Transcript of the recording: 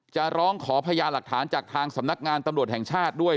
จะร้องขอพญาหลักฐานจากทางสำนักงานตำรวจแห่งชาติด้วย